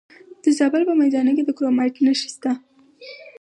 د زابل په میزانه کې د کرومایټ نښې شته.